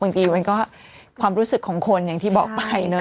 บางทีมันก็ความรู้สึกของคนอย่างที่บอกไปเนอะ